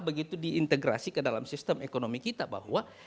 begitu diintegrasi ke dalam sistem ekonomi kita bahwa